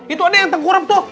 itu ada yang tengkurap tuh